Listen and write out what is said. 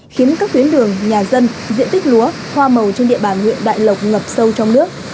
khiến các tuyến đường nhà dân diện tích lúa hoa màu trên địa bàn huyện đại lộc ngập sâu trong nước